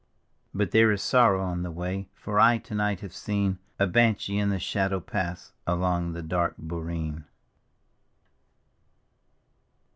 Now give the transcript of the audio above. But there is sorrow on the way, For I tonight have seen A banshee in the shadow pass Along the dark boreen.